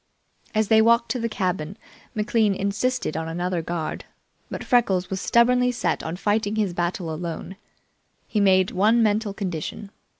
As they walked to the cabin, McLean insisted on another guard, but Freckles was stubbornly set on fighting his battle alone. He made one mental condition.